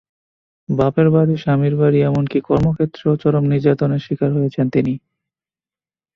বাপের বাড়ি, স্বামীর বাড়ি, এমনকি কর্মক্ষেত্রেও চরম নির্যাতনের শিকার হয়েছেন তিনি।